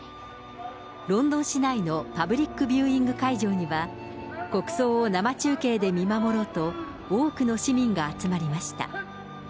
ロンドン市内のパブリックビューイング会場には、国葬を生中継で見守ろうと、多くの市民が集まりました。